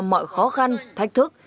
mọi khó khăn thách thức